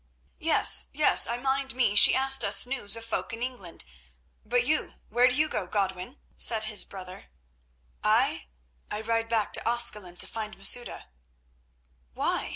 "Yes, yes; I mind me she asked us news of folk in England. But you? Where do you go, Godwin?" said his brother. "I? I ride back to Ascalon to find Masouda." "Why?"